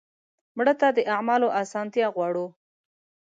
مړه ته د اعمالو اسانتیا غواړو